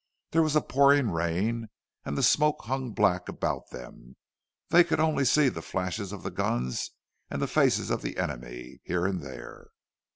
There was a pouring rain, and the smoke hung black about them; they could only see the flashes of the guns, and the faces of the enemy, here and there.